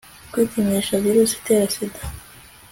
kwipimisha virusi itera sida